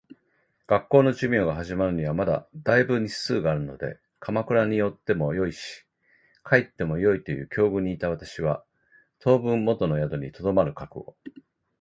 学校の授業が始まるにはまだ大分日数があるので鎌倉におってもよし、帰ってもよいという境遇にいた私は、当分元の宿に留まる覚悟をした。